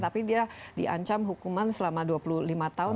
tapi dia diancam hukuman selama dua puluh lima tahun